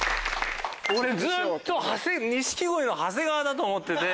俺ずっと錦鯉の長谷川だと思ってて。